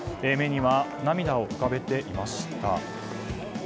目には涙を浮かべていました。